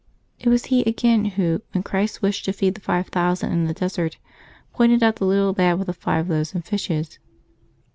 It was he again who, when Christ wished to feed the five thousand in the desert, pointed out the little lad with the five loaves and fishes.